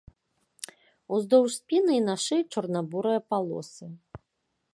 Уздоўж спіны і на шыі чорна-бурыя палосы.